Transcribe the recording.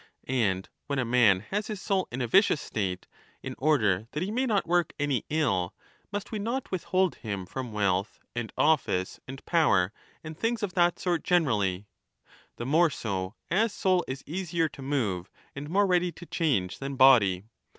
And when a man has his soul in a vicious state, in order 30 that he may not work any ill must we not withhold him from wealth and office and power and things of that sort generally, the more so as soul is easier to move and more ready to change than body